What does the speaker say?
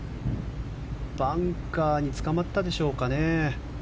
バンカーにつかまったでしょうかね。